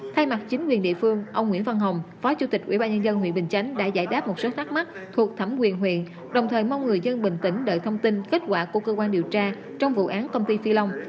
thay mặt chính quyền địa phương ông nguyễn văn hồng phó chủ tịch ủy ban nhân dân huyện bình chánh đã giải đáp một số thắc mắc thuộc thẩm quyền huyện đồng thời mong người dân bình tĩnh đợi thông tin kết quả của cơ quan điều tra trong vụ án công ty phi long